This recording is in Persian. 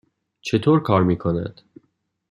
چطور کار می کند؟